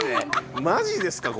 マジですか？